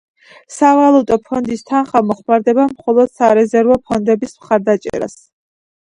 სავალუტო ფონდის თანხა მოხმარდება მხოლოდ სარეზერვო ფონდების მხარდაჭერას.